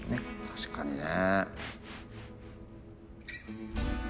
確かにね。